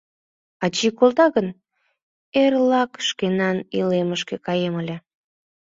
Ачий колта гын, эрлак шкенан илемышке каем ыле.